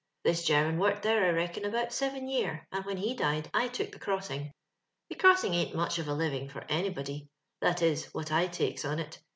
This German worked there, I reckon, about seven year, and when he died I took the cross ing. •' The crossing ain't much of a lining for any body — that is, what I tixkos on it.